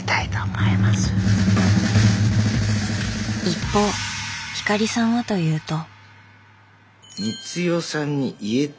一方光さんはというと。